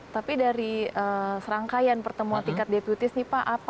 tapi dari serangkaian pertemuan tiket deputis ini